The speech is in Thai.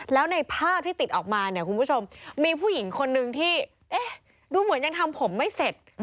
แล้วในภาพที่ติดออกมามีผู้หญิงคนหนึ่งรู้เหมือนยังทำผมไม่เสร็จ